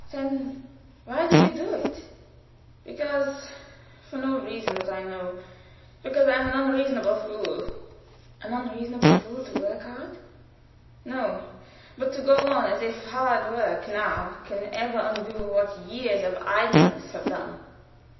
"Then why do you do it?" "Because for no reason that I know; but because I am an unreasonable fool." "An unreasonable fool to work hard?" "No; but to go on as if hard work now can ever undo what years of idleness have done."